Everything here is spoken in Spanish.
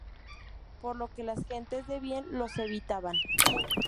Por lo que las gentes de bien los evitaban.